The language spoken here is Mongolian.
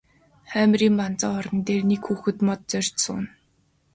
Хоймрын банзан орон дээр нэг хүүхэд мод зорьж сууна.